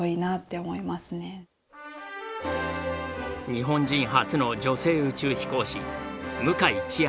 日本人初の女性宇宙飛行士向井千秋。